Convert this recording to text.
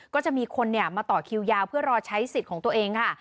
ก็จะมีคนมาต่อคิวยาวเพื่อรอใช้สิทธิ์ของตัวเองค่ะ